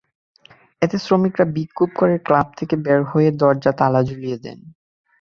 এতে শ্রমিকেরা বিক্ষোভ করে ক্লাব থেকে বের হয়ে দরজায় তালা ঝুলিয়ে দেন।